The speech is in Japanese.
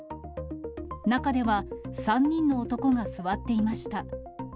中では、３人の男が座っていました。